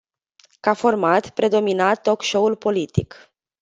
Ca format, predomina talk show-ul politic.